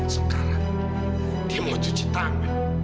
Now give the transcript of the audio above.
sekarang dia mau cuci tangan